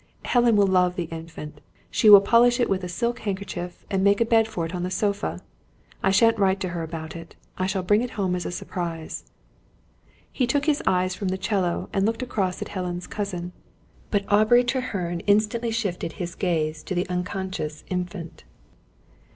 Helen will love the Infant. She will polish it with a silk handkerchief, and make a bed for it on the sofa! I shan't write to her about it. I shall bring it home as a surprise." He took his eyes from the 'cello and looked across at Helen's cousin; but Aubrey Treherne instantly shifted his gaze to the unconscious Infant.